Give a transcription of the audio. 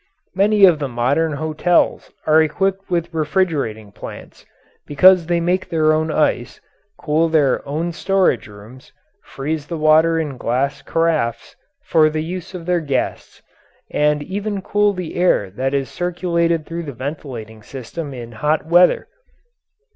Many of the modern hotels are equipped with refrigerating plants where they make their own ice, cool their own storage rooms, freeze the water in glass carafes for the use of their guests, and even cool the air that is circulated through the ventilating system in hot weather.